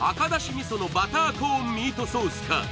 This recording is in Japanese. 味噌のバターコーンミートソースか？